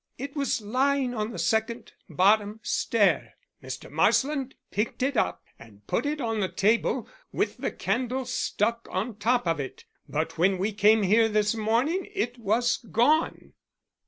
It was lying on the second bottom stair. Mr. Marsland picked it up and put it on the table with the candle stuck on top of it. But when we came here this morning it was gone."